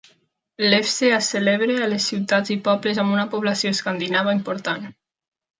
Lefse es celebra a les ciutats i pobles amb una població escandinava important.